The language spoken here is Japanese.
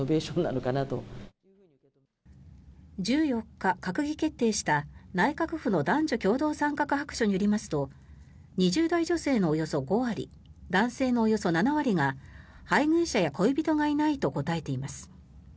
１４日、閣議決定した内閣府の男女共同参画白書によりますと２０代女性のおよそ５割男性のおよそ７割が配偶者や恋人がいないと答えています。